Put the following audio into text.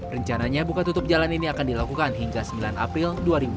rencananya buka tutup jalan ini akan dilakukan hingga sembilan april dua ribu dua puluh